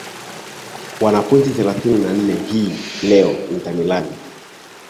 wana pointi thelathini na nane hii leo inter milan